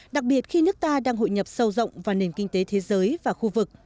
đặc biệt khi nước ta đang hội nhập sâu rộng vào nền kinh tế thế giới và khu vực